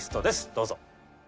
どうぞ！